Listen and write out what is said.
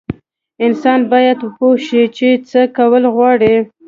انسان باید پوه شي چې څه کول غواړي.